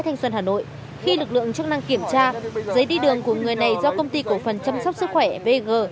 thanh xuân hà nội khi lực lượng chức năng kiểm tra giấy đi đường của người này do công ty cổ phần chăm sóc sức khỏe vg